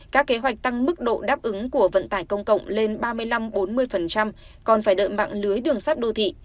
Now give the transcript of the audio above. các kế hoạch tăng mức độ đáp ứng của vận tải công cộng lên ba mươi năm bốn mươi còn phải đợi mạng lưới đường sắt đô thị